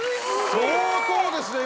相当ですね